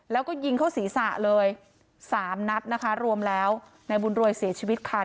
แล้วก็ยิงเข้าศีรษะเลยสามนัดนะคะรวมแล้วนายบุญรวยเสียชีวิตค่ะ